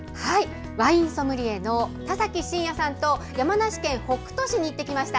ワインソムリエの田崎真也さんと山梨県北杜市に行ってきました。